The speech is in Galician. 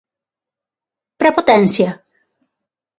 Prepotencia?